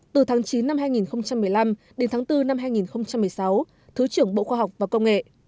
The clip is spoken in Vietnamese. từ tháng chín năm hai nghìn một mươi năm đến tháng bốn năm hai nghìn một mươi sáu thứ trưởng bộ khoa học và công nghệ